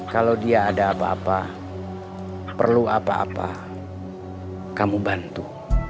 kalau dia ada apa apa perlu apa apa kamu bantu